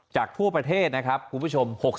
ทั่วประเทศนะครับคุณผู้ชม